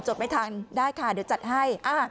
ไม่ทันได้ค่ะเดี๋ยวจัดให้